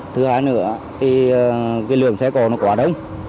thứ hai nữa thì cái lượng xe cổ nó quá đông